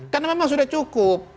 karena memang sudah cukup